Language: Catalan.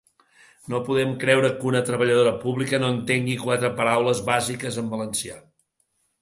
No podem creure que una treballadora pública no entengui quatre paraules bàsiques en valencià.